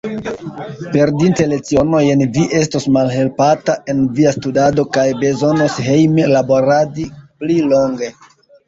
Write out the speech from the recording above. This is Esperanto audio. Perdinte lecionojn, vi estos malhelpata en via studado kaj bezonos hejme laboradi pli longe.